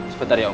sebentar ya om